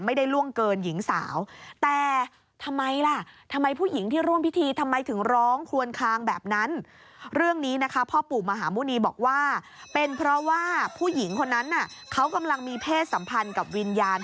ไม่ได้ล่วงเกินหญิงสาว